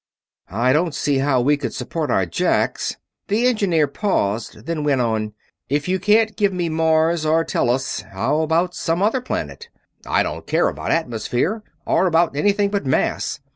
"I don't see how we could support our jacks ..." the engineer paused, then went on: "If you can't give me Mars or Tellus, how about some other planet? I don't care about atmosphere, or about anything but mass.